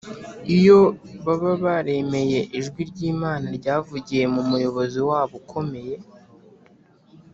Iyo baba baremeye ijwi ry’Imana ryavugiye mu muyobozi wabo ukomeye,